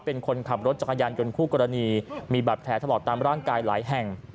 เป็นคนขับรถจักรยานยนต์คู่กรณีมีบาดแผลถลอดตามร่างกายหลายแห่ง